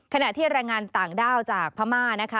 ขณะที่รายงานต่างด้าวจากพม่า